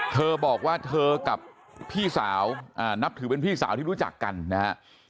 เธอบอกว่าเธอกับพี่สาวนับถือเป็นพี่สาวที่รู้จักกันนะฮะ